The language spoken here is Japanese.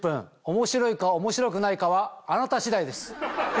面白いか面白くないかはあなた次第です。